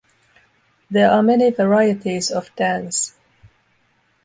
There are many varieties of dance.